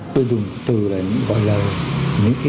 tôi dùng từ là những người